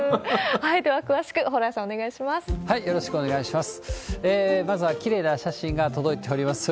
では詳しく、蓬莱さん、よろしくお願いします。